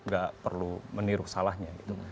gak perlu meniru salahnya